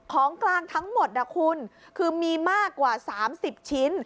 ของกลางทั้งหมดนะคุณคือมีมากกว่า๓๐ชิ้น